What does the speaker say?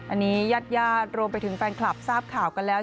อันนี้ญาติรวมไปถึงแฟนคลับทราบข่าวกันแล้ว